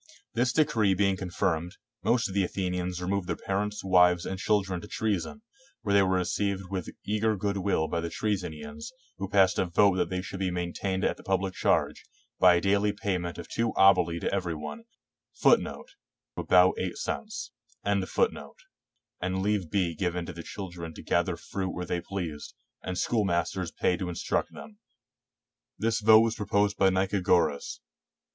This decree being confirmed, most of the Athenians removed their parents, wives, and children to Trcezen, where they were received with eager good will by the Troezenians, who passed a vote that they should be maintained at the public charge, by a daily payment of two oboli^ to every one, and leave be given to the children to gather fruit where they pleased, and schoolmasters paid to instruct them. This vote was proposed by Nicagoras.